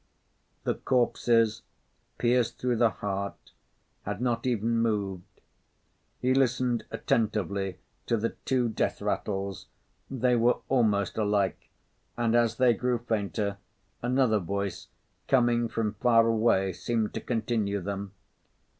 The corpses, pierced through the heart, had not even moved. He listened attentively to the two death rattles, they were almost alike, and as they grew fainter, another voice, coming from far away, seemed to continue them.